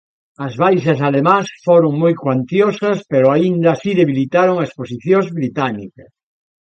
As baixas alemás foron moi cuantiosas pero aínda así debilitaron as posicións británicas.